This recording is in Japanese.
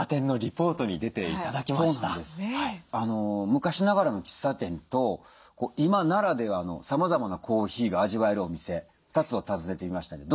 昔ながらの喫茶店と今ならではのさまざまなコーヒーが味わえるお店２つを訪ねてみましたんで。